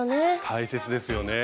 大切ですよね。